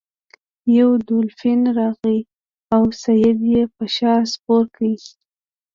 یو دولفین راغی او سید یې په شا سپور کړ.